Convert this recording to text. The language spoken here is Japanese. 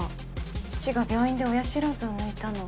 父が病院で親知らずを抜いたの。